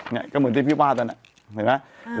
เนี้ยก็เหมือนที่พี่ว่าแล้วน่ะเห็นไหมอ่า